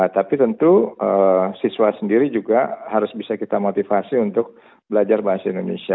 tapi tentu siswa sendiri juga harus bisa kita motivasi untuk belajar bahasa indonesia